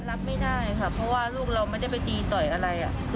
รับไม่ได้ค่ะเพราะว่าลูกเราไม่ได้ไปตีต่อยอะไร